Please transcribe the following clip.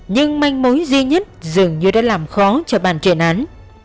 nhưng manh mối duy nhất dường như đã làm khó cho bàn truyền án